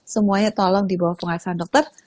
semuanya tolong di bawah pengasahan dokter